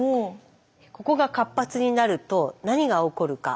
ここが活発になると何が起こるか。